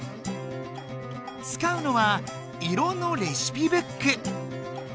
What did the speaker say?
つかうのは色のレシピブック。